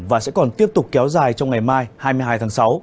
và sẽ còn tiếp tục kéo dài trong ngày mai hai mươi hai tháng sáu